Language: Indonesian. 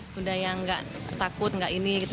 sudah tidak takut